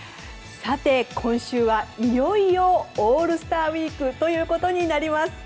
さて、今週はいよいよオールスターウィークということになります。